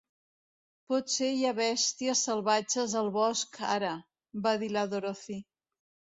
"Potser hi ha bèsties salvatges al bosc ara", va dir la Dorothy.